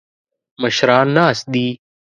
مشران ناست دي.